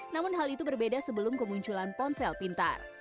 namun hal itu berbeda sebelum kemunculan ponsel pintar